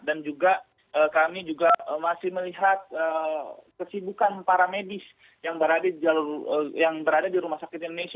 dan juga kami masih melihat kesibukan para medis yang berada di rumah sakit indonesia